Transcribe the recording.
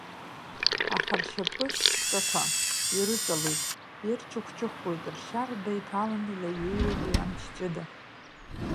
Аха ршьапы-шҵақәа ирыҵалоит, иарчыхәчыхәуеит, ршьа-рда иҭалан илеиҩеиуеит уи амч ҷыда.